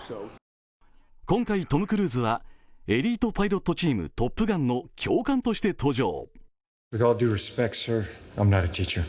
今回トム・クルーズはエリートパイロットチームトップガンの教官として登場。